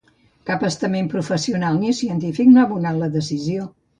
Cap estament professional ni científic no ha abonat la decisió.